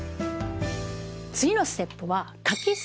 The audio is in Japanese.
次のステップは。